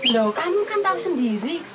loh kamu kan tahu sendiri